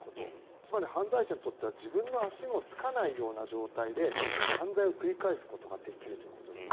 つまり犯罪者にとっては自分の足のつかないような状態で犯罪を繰り返すことができるということですね。